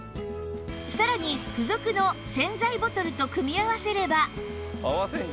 さらに付属の洗剤ボトルと組み合わせれば